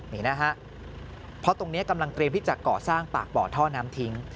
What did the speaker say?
นี่นะฮะเพราะตรงนี้กำลังเตรียมที่จะก่อสร้างปากบ่อท่อน้ำทิ้ง